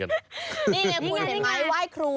นี่ไงเห็นไหมไว้ครู